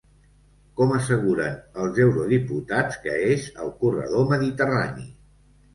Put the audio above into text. Com asseguren els eurodiputats que és el corredor mediterrani?